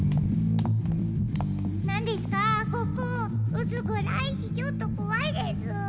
うすぐらいしちょっとこわいです。